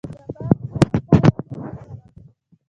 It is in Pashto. د باغ شاوخوا کومې ونې وکرم؟